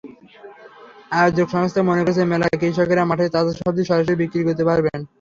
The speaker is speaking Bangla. আয়োজক সংস্থা মনে করছে, মেলায় কৃষকেরা মাঠের তাজা সবজি সরাসরি বিক্রি করতে পারবেন।